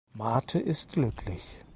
Marthe ist glücklich.